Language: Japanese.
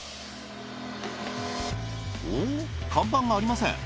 看板がありません。